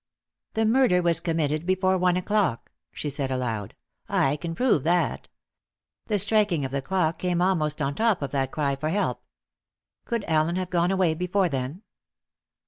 "The murder was committed before one o'clock," she said aloud. "I can prove that. The striking of the clock came almost on top of that cry for help. Could Allen have gone away before then?